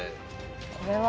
これは。